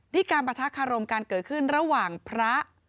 การปะทะคารมการเกิดขึ้นระหว่างพระ